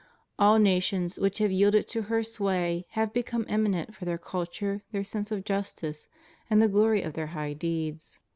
All nations which have yielded to her sway have become eminent for their cultxu*e, their sense of justice, and the glory of their high deeds.